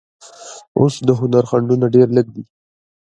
اوس د هنر خنډونه ډېر لږ دي.